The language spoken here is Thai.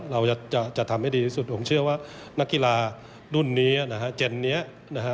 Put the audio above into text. เราจะจะทำให้ดีที่สุดผมเชื่อว่านักกีฬาดุ่นนี้นะฮะ